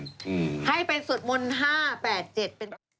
คือให้เป็นสุดมนตร์๕๘๗รถ